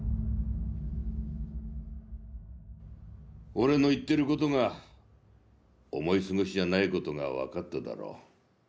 俺の言ってる事が思い過ごしじゃない事がわかっただろう。